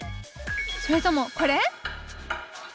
それともこれ？